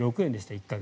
１か月。